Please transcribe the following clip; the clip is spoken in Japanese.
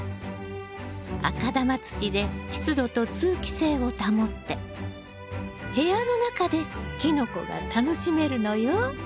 赤玉土で湿度と通気性を保って部屋の中でキノコが楽しめるのよ。